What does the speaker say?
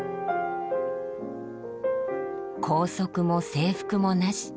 校則も制服もなし。